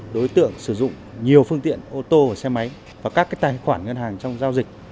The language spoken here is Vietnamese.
đối tượng sử dụng nhiều phương tiện ô tô xe máy và các tài khoản ngân hàng trong giao dịch